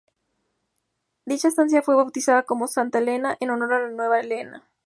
Dicha estancia fue bautizada como "Santa Elena", en honor a su nuera, Elena.